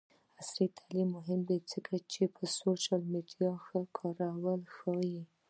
عصري تعلیم مهم دی ځکه چې د سوشل میډیا ښه کارول ښيي.